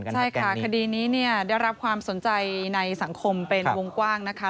ใช่ค่ะคดีนี้ได้รับความสนใจในสังคมเป็นวงกว้างนะคะ